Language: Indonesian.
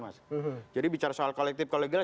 mas jadi bicara soal kolektif kolegal